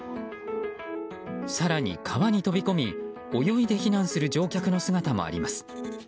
更に川に飛び込み泳いで避難する乗客の姿もあります。